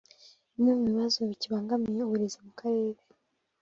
Bimwe mu bibazo bikibangamiye uburezi mu Karere